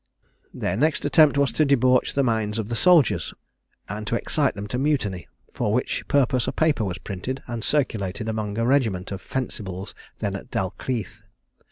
Their next attempt was to debauch the minds of the soldiers, and to excite them to mutiny; for which purpose a paper was printed, and circulated among a regiment of Fencibles then at Dalkeith.